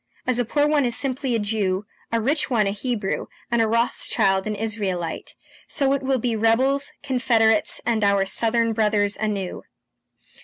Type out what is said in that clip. As a poor one is simply a Jew, a rich one a Hebrew, and a Rothschild an Israelite, so it will be rebels, Confederates, and our Southern brothers anew!"